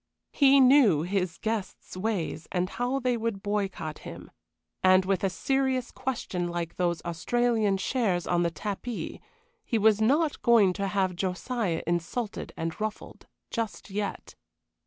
He knew his guests' ways and how they would boycott him, and, with a serious question like those Australian shares on the tapis, he was not going to have Josiah insulted and ruffled just yet.